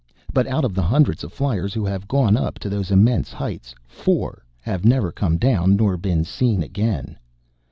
But out of the hundreds of fliers who have gone up to those immense heights, four have never come down nor been seen again!